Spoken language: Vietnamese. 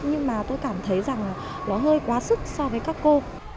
nhưng mà tôi cảm thấy rằng nó hơi quá sức so với các cô